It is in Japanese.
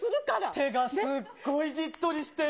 手がすっごいじっとりしてる。